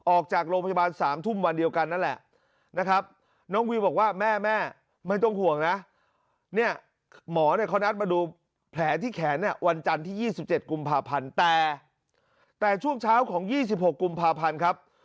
ออกจากโรงพยาบาล๓ทุ่มวันเดียวกันนั่นแหละนะครับ